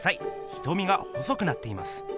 瞳が細くなっています。